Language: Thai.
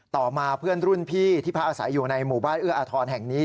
ต่อมาเพื่อนรุ่นพี่ที่พักอาศัยอยู่ในหมู่บ้านเอื้ออาทรแห่งนี้